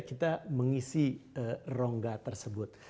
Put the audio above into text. kita mengisi rongga tersebut